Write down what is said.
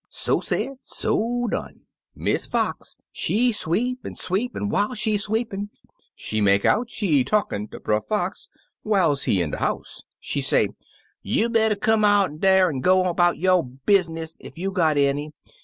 So said, so done. Miss Fox she sweep an' sweep, an' whiles she sweepin' she make out she talkin' ter Brer Fox whiles he in de house. She say, 'You better come on out'n dar an' go on 'bout yo' business ef you got any.